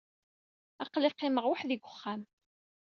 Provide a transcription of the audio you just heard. Aql-i qqimeɣ weḥd-i deg uxxam.